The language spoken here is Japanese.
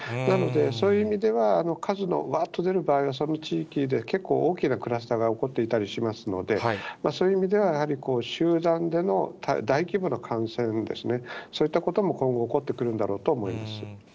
なので、そういう意味では、数のわーっと出る場合は、その地域で結構大きなクラスターが起こっていたりしますので、そういう意味では、やはり集団での大規模な感染ですね、そういったことも今後起こってくるんだろうと思います。